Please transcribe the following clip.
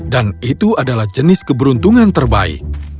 dan itu adalah jenis keberuntungan terbaik